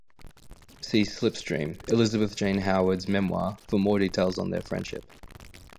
See "Slipstream", Elizabeth Jane Howard's memoir, for more details on their friendship.